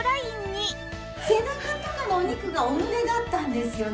背中とかのお肉がお胸だったんですよね。